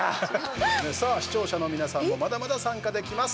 視聴者の皆さんもまだまだ参加できます。